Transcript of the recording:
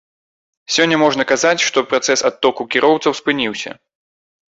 Сёння можна казаць, што працэс адтоку кіроўцаў спыніўся.